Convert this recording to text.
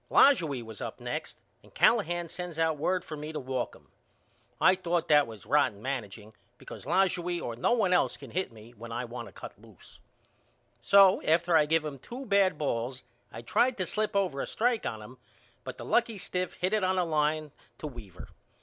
Lajoie was up next and Callahan sends out word for me to walk him. I thought that was rotten manageing because Lajoie or no one else can hit me when I want to cut loose. So after I give him two bad balls I tried to slip over a strike on him but the lucky stiff hit it on a line to Weaver.